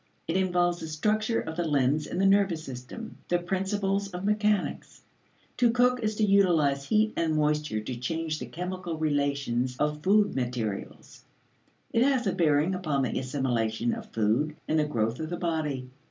It involves the structure of the limbs and the nervous system; the principles of mechanics. To cook is to utilize heat and moisture to change the chemical relations of food materials; it has a bearing upon the assimilation of food and the growth of the body.